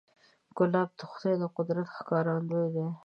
ګلاب د خدای د قدرت ښکارندوی دی.